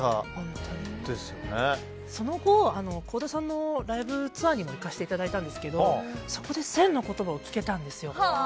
その後、倖田さんのライブツアーにも行かせていただいたんですけどそこで「１０００の言葉」を聴けたんですよ。